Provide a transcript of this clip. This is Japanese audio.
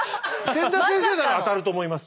千田先生なら当たると思います。